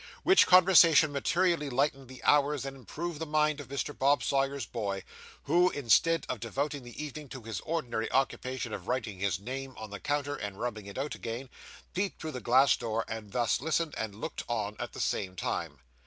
Which conversation materially lightened the hours and improved the mind of Mr. Bob Sawyer's boy, who, instead of devoting the evening to his ordinary occupation of writing his name on the counter, and rubbing it out again, peeped through the glass door, and thus listened and looked on at the same time.